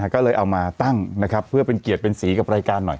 ก็เลยเอามาตั้งนะครับเพื่อเป็นเกียรติเป็นสีกับรายการหน่อย